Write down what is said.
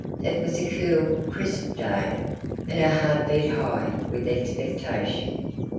It was a cool, crisp day; and her heart beat high with expectation.